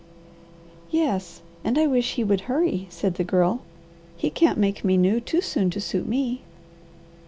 "Yes, and I wish he would hurry," said the Girl. "He can't make me new too soon to suit me.